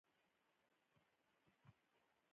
د زکام لپاره د هوږې او شاتو ګډول وخورئ